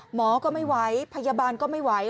หมอก็ไม่ไหวพยาบาลก็ไม่ไหว